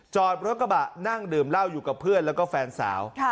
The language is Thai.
จอดรถกระบะนั่งดื่มเหล้าอยู่กับเพื่อนแล้วก็แฟนสาว